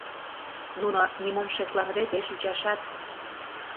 Нуно, нимом шекланыде, пеш ӱчашат.